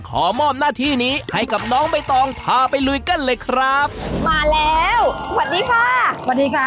ขอมอบหน้าที่นี้ให้กับน้องใบตองพาไปลุยกันเลยครับมาแล้วสวัสดีค่ะสวัสดีค่ะ